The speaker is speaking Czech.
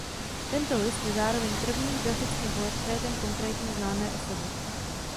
Tento list je zároveň prvním grafickým portrétem konkrétní známé osoby.